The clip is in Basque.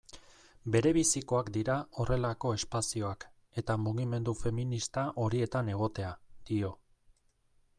Berebizikoak dira horrelako espazioak, eta mugimendu feminista horietan egotea, dio.